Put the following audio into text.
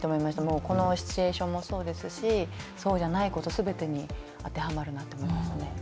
もうこのシチュエーションもそうですしそうじゃないこと全てに当てはまるなって思いましたね。